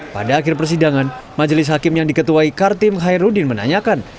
pada akhir persidangan majelis hakim yang diketuai kartim hairudin menanyakan